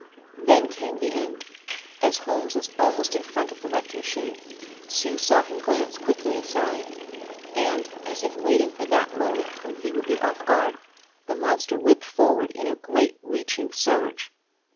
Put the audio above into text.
Then came the end. As Holmes was almost in front of the wrecked machine, Sue saw him glance quickly aside and, as if waiting for that moment when he would be off guard, the monster whipped forward in a great, reaching surge.